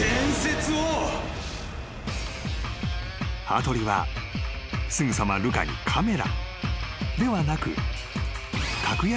［羽鳥はすぐさまルカにカメラではなく］